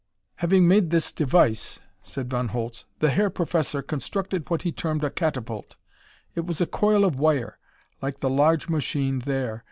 "Having made this device," said Von Holtz, "the Herr Professor constructed what he termed a catapult. It was a coil of wire, like the large machine there.